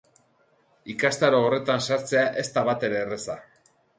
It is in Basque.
Ikastaro horretan sartzea ez da batere erraza.